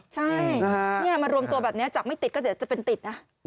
ใช่มารวมตัวแบบนี้จากไม่ติดก็จะเป็นติด